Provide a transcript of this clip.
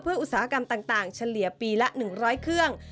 อุตสาหกรรมต่างเฉลี่ยปีละ๑๐๐เครื่อง